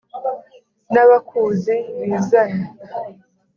N'abakuzi bizane